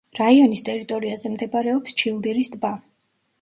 რაიონის ტერიტორიაზე მდებარეობს ჩილდირის ტბა.